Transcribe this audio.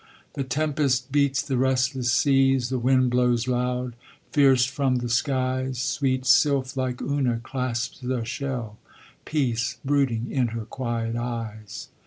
The tempest beats the restless seas, The wind blows loud, fierce from the skies; Sweet, sylph like Una clasps the shell, Peace brooding in her quiet eyes.